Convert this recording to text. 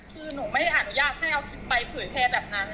คือหนูไม่อนุญาตให้เอาคลิปไปเผยแพร่แบบนั้น